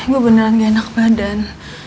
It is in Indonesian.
gue beneran gak enak badan